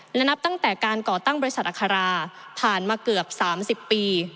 และนับตั้งแต่การก่อตั้งบริษัทอัคราผ่านมาเกือบ๓๐ปี